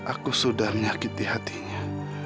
aku sudah menyakiti hatinya